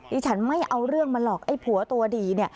ฉันไม่เอาเรื่องมันหรอกไอ้ผัวตัวดี